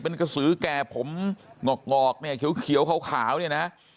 เป็นกระสือแก่ผมงอกงอกเนี่ยเขียวเขียวขาวขาวเนี่ยนะ